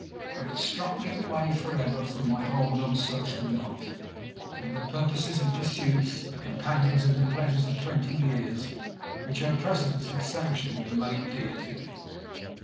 But it struck me away forever from my hold on social life; from the purposes and pursuits, the companions and the pleasures of twenty years, which her presence had sanctioned and made dear to me.